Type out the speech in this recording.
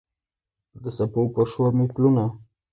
د څپو پر شور مې پلونه